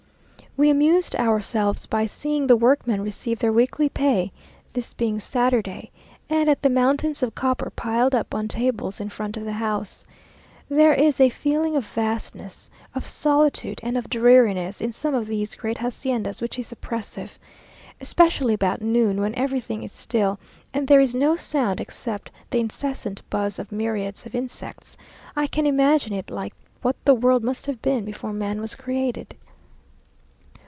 We amused ourselves by seeing the workmen receive their weekly pay (this being Saturday), and at the mountains of copper piled up on tables in front of the house. There is a feeling of vastness, of solitude, and of dreariness in some of these great haciendas, which is oppressive. Especially about noon, when everything is still, and there is no sound except the incessant buzz of myriads of insects, I can imagine it like what the world must have been before man was created.